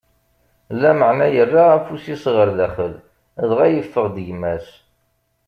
Lameɛna yerra afus-is ɣer daxel, dɣa yeffeɣ-d gma-s.